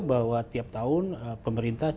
bahwa tiap tahun pemerintah